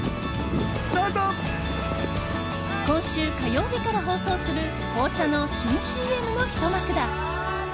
今週火曜日から放送する紅茶の新ＣＭのひと幕だ。